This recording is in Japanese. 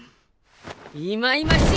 いまいましい！